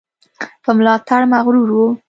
په ملاتړ مغرور وو.